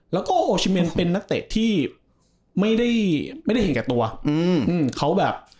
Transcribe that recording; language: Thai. แล้วก็โอชิเมนเป็นนักเตะที่ไม่ได้ไม่ได้เห็นแก่ตัวอืมเขาแบบ